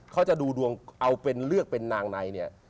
เขาจะดูดวงเอาเป็นเลือกเป็นนางในเนี่ย